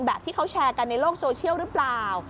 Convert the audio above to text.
ที่เขาแชร์กันในโลกโซเชียลหรือเปล่า